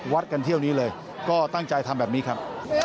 วัดกันเที่ยวนี้เลยก็ตั้งใจทำแบบนี้ครับ